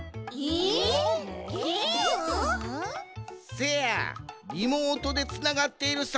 せやリモートでつながっている３